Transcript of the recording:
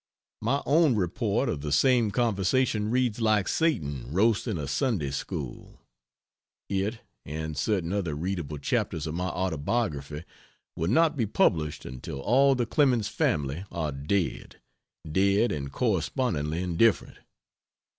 My own report of the same conversation reads like Satan roasting a Sunday school. It, and certain other readable chapters of my autobiography will not be published until all the Clemens family are dead dead and correspondingly indifferent.